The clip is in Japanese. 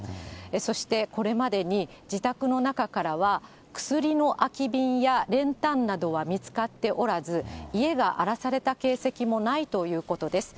そして、これまでに自宅の中からは、薬の空き瓶や練炭などは見つかっておらず、家が荒らされた形跡もないということです。